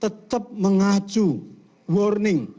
tetap mengacu warning